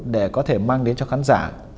để có thể mang đến cho khán giả